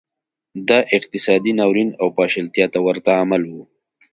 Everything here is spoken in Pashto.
دا اقتصادي ناورین او پاشلتیا ته ورته عمل و